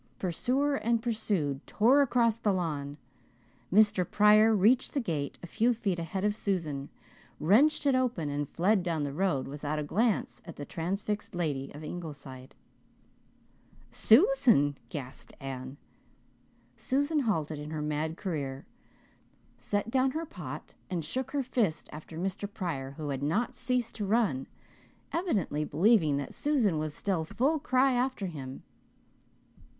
Pursuer and pursued tore across the lawn. Mr. Pryor reached the gate a few feet ahead of Susan, wrenched it open, and fled down the road, without a glance at the transfixed lady of Ingleside. "Susan," gasped Anne. Susan halted in her mad career, set down her pot, and shook her fist after Mr. Pryor, who had not ceased to run, evidently believing that Susan was still full cry after him.